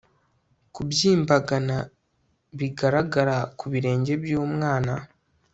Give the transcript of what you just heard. kubyimbagana bigaragara ku birenge by'umwana